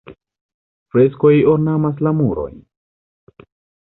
Freskoj ornamas la murojn.